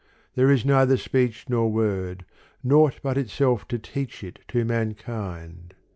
There is neither speech nor word : Nought but itself to teach it to mankind.